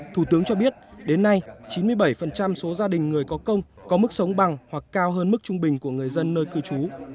thủ tướng cho biết đến nay chín mươi bảy số gia đình người có công có mức sống bằng hoặc cao hơn mức trung bình của người dân nơi cư trú